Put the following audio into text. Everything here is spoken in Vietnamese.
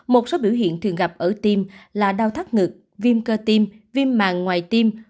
một số biểu hiện thường gặp ở tim là đau thắt ngực viêm cơ tim viêm màng ngoài tim